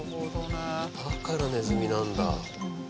だからネズミなんだ。